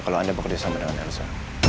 kalau anda berkata sama dengan elsa